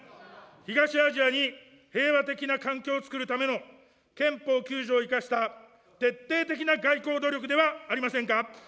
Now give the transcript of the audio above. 東アジアに平和的な環境をつくるための憲法９条を生かした徹底的な外交努力ではありませんか。